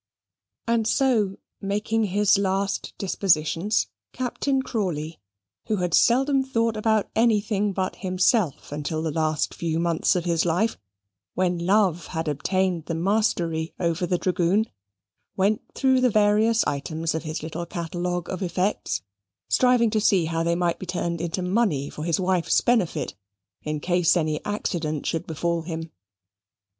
And so, making his last dispositions, Captain Crawley, who had seldom thought about anything but himself, until the last few months of his life, when Love had obtained the mastery over the dragoon, went through the various items of his little catalogue of effects, striving to see how they might be turned into money for his wife's benefit, in case any accident should befall him.